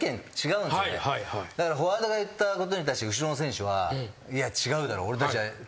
だからフォワードが言ったことに対して後ろの選手は「いや違うだろ俺たちはきついからいかない」